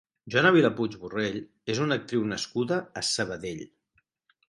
Joana Vilapuig Borrell és una actriu nascuda a Sabadell.